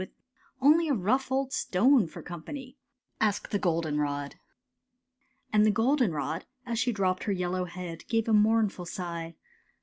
With only a rough old stone ^' For company? " And the goldenrod, As she drooped her yellow head, Gave a mournful sigh.